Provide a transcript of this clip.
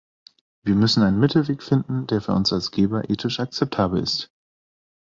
Wir müssen einen Mittelweg finden, der für uns als Geber ethisch akzeptabel ist.